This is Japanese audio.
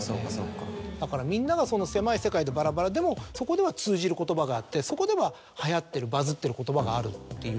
だからみんながその狭い世界でバラバラでもそこでは通じる言葉があってそこでは流行ってるバズってる言葉があるっていう。